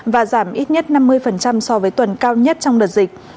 và giảm ít nhất năm mươi so với tuần cao nhất trong đợt dịch